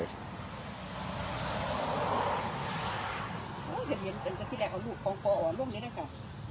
เห็นเหมือนกันกับที่แหลกอ๋อลงนี้นะคะ